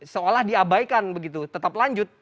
seolah diabaikan begitu tetap lanjut